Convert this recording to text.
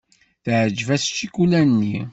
Teɛjeb-as ccikula-nni.